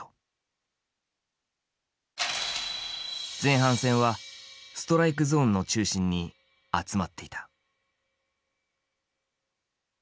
前半戦はストライクゾーンの中心に集まっていた。